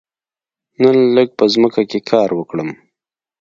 نن لږ په ځمکه کې کار وکړم.